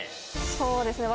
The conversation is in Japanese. そうですね